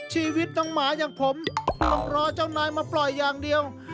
ชีวิตน้องหมาอย่างผมต้องรอเจ้านายมาปล่อยอย่างเดียว